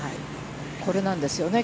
これなんですよね。